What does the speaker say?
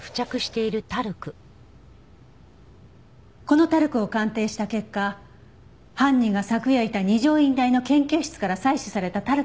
このタルクを鑑定した結果犯人が昨夜いた二条院大の研究室から採取されたタルクと合致しました。